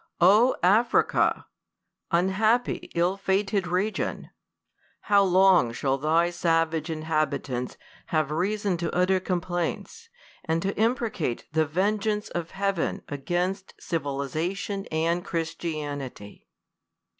Oh Africa ! unhappy, ill fated region ! how long shall thy savage inhabitants have reason to utter com plaints, and to imprecate the vengeance of Heaven against civilization and Christianity